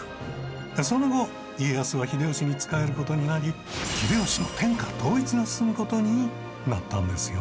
その後家康は秀吉に仕える事になり秀吉の天下統一が進む事になったんですよ。